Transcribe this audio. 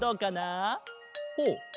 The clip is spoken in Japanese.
ほう！